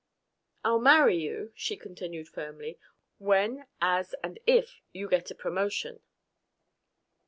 "I'll marry you," she continued firmly, "when, as and if you get a promotion."